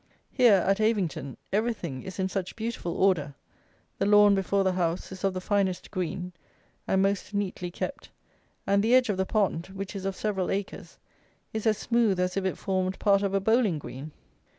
Here, at Avington, everything is in such beautiful order; the lawn before the house is of the finest green, and most neatly kept; and the edge of the pond (which is of several acres) is as smooth as if it formed part of a bowling green.